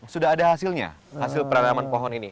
sudah ada hasilnya hasil peranaman pohon ini